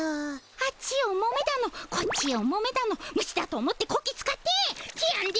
あっちをもめだのこっちをもめだの虫だと思ってこき使っててやんで！